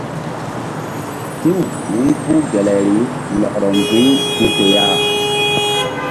Si̧w wu̧ypuh gelayri lɔkrɔ nzu̧y hi̧ fe ya.